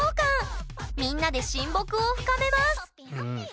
みんなで親睦を深めます。